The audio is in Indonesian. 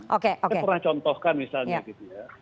saya pernah contohkan misalnya gitu ya